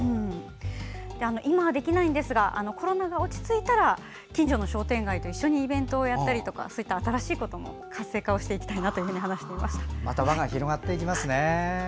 今はできないんですがコロナが落ち着いたら近所の商店街と一緒にイベントをやったりとかそういった新しいことも活性化していきたいとまた輪が広がっていきますね。